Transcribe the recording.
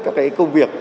các công việc